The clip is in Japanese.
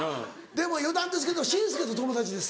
でも余談ですけど紳助と友達です。